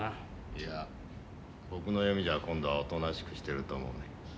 いや僕の読みじゃ今度はおとなしくしてると思うね。